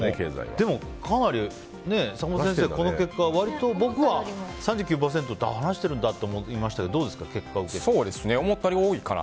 でも、かなり坂本先生この結果、割と僕は３９％って話してるんだって思いましたけど思ったより多いかな。